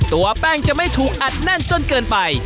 ตัวแป้งจะไม่ถูกอัดแน่นจนเกินไป